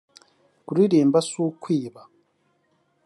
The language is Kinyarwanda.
kuririmba si ukwiba